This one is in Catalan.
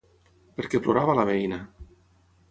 Per què plorava la veïna?